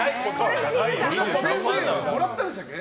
先生はもらったんでしたっけ？